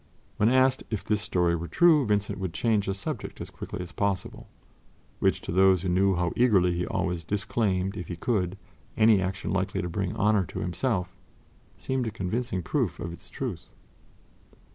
When asked if this story were true, Vincent would change the subject as quickly as possible which to those who knew how eagerly he always disclaimed, if he could, any action likely to bring honor to himself, seemed a convincing proof of its truth.